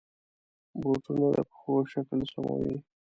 بوټونه د پښو شکل سموي.